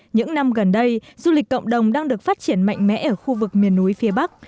những năm gần đây du lịch cộng đồng đang được phát triển mạnh mẽ ở khu vực miền núi phía bắc